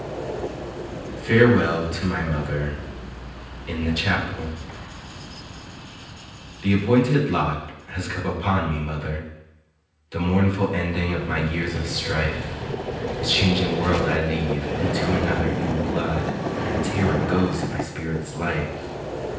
FAREWELL TO MY MOTHER (In the Chapel) The appointed lot has come upon me, mother, The mournful ending of my years of strife, This changing world I leave, and to another In blood and terror goes my spirit's life.